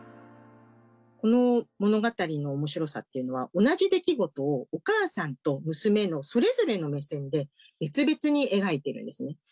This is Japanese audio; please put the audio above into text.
この物語の面白さっていうのは同じ出来事をお母さんと娘のそれぞれの目線で別々に描いているんですね。